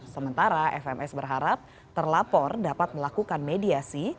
sementara fms berharap terlapor dapat melakukan mediasi